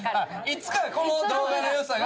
いつかこの動画の良さが。